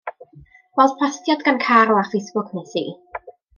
Gweld postiad gan Carl ar Facebook, wnes i.